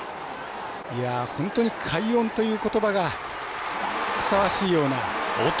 本当に快音ということばがふさわしいような。